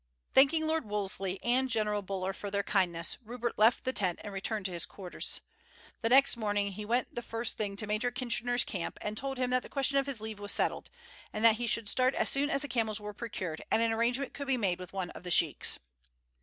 Thanking Lord Wolseley and General Buller for their kindness Rupert left the tent and returned to his quarters. The next morning he went the first thing to Major Kitchener's camp and told him that the question of his leave was settled, and that he should start as soon as the camels were procured and an arrangement could be made with one of the sheiks.